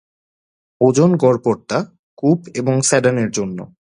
ওজন গড়পড়তা, কুপ এবং সেডানের জন্য ।